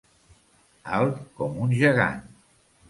Alt com un gegant.